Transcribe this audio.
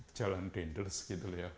jalan dendels gitu ya